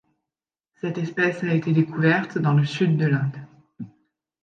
Cette espèce a été découverte dans le sud de l'Inde.